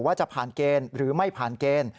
ว่าจะผ่านเกณฑ์หรือไม่ผ่านเกณฑ์